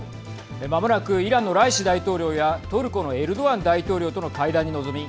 まもなくイランのライシ大統領やトルコのエルドアン大統領との会談に臨み